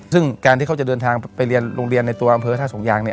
ซึ่งการที่เขาจะเดินทางไปเรียนโรงเรียนในตัวอำเภอท่าสงยางเนี่ย